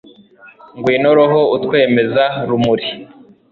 ngwino roho utwemeza, rumuri